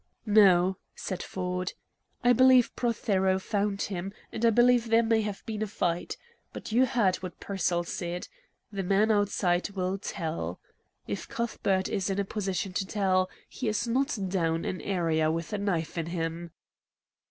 "No," said Ford. "I believe Prothero found him, and I believe there may have been a fight. But you heard what Pearsall said: 'The man outside will tell.' If Cuthbert's in a position to tell, he is not down an area with a knife in him."